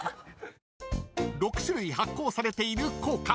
［６種類発行されている硬貨］